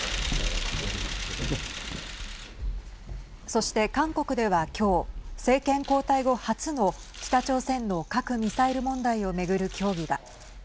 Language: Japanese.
そして、韓国ではきょう政権交代後、初の北朝鮮の核・ミサイル問題をめぐる協議が。